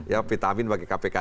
ya vitamin bagi kpk